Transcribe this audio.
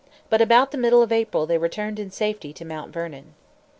But about the middle of April they returned in safety to Mount Vernon.